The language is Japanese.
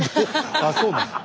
あそうなんですか。